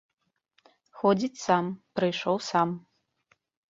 Ходзіць сам, прыйшоў сам.